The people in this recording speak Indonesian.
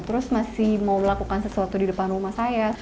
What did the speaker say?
terus masih mau melakukan sesuatu di depan rumah saya